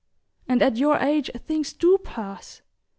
and at your age things DO pass.